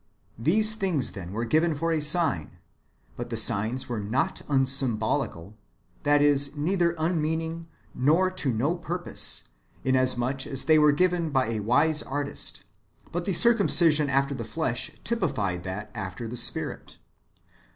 "^ These things, then, were given for a sign ; but the signs were not unsymbolical, that is, neither unmeaning nor to no pur pose, inasmuch as they were given by a wise Artist ; but the circumcision after the flesh typified that after the Spirit.